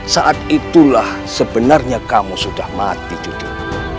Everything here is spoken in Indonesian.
saat itulah sebenarnya kamu sudah mati jujur